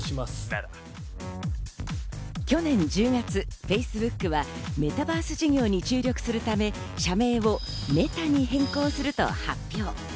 去年１０月、Ｆａｃｅｂｏｏｋは、メタバース事業に注力するため社名をＭｅｔａに変更すると発表。